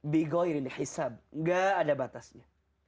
bikin gaya ini tidak ada batasnya